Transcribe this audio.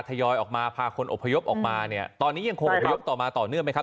ยอยออกมาพาคนอบพยพออกมาเนี่ยตอนนี้ยังคงอบพยพต่อมาต่อเนื่องไหมครับ